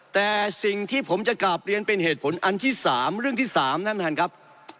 แต่สิ่งที่ผมจะกราบเรียนเป็นเหตุผลอันที่๓เรื่องที่๓ท่านประธานครับ